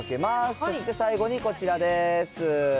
そして最後にこちらです。